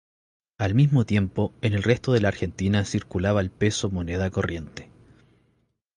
Al mismo tiempo, en el resto de la Argentina circulaba el Peso Moneda Corriente.